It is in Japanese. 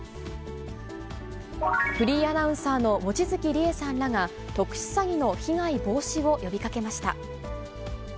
フリーアナウンサーの望月理恵さんらが、特殊詐欺の被害防止を呼びかけました。